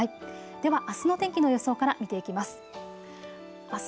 ではあすの天気の予想から見ていきます。